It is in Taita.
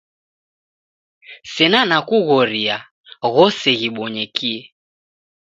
Sena nakughoria ghose ghibonyekie